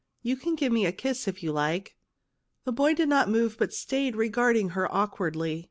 You can give me a kiss if you like." The boy did not move, but stayed regarding her awkwardly.